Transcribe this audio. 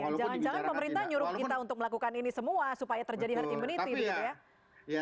jangan jangan pemerintah nyuruh kita untuk melakukan ini semua supaya terjadi herd immunity begitu ya